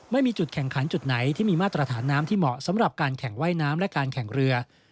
ไม่มีจุดแข่งขันจุดไหนที่มีมาตรฐานน้ำที่เหมาะสำหรับการแข่งว่ายน้ำและการแข่งเรือ